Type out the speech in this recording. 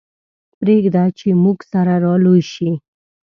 پرېږده چې موږ سره را لوی شي.